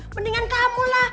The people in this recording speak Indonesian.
mendingan kamu lah